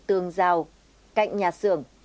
tường rào cạnh nhà xưởng